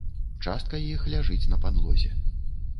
Частка іх ляжыць на падлозе.